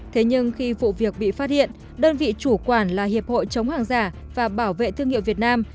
thế nhưng khi vụ việc bị phát hiện đơn vị chủ quản là hiệp hội chống hàng giả và bảo vệ thương hiệu việt nam